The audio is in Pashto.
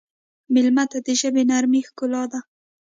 مېلمه ته د ژبې نرمي ښکلا ده.